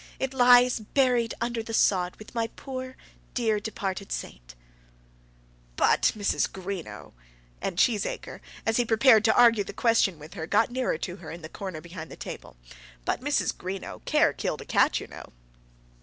It lies buried under the sod with my poor dear departed saint." "But, Mrs. Greenow," and Cheesacre, as he prepared to argue the question with her, got nearer to her in the corner behind the table, "But, Mrs. Greenow, care killed a cat, you know."